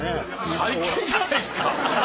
最近じゃないですか！